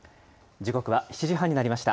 時刻は７時半になりました。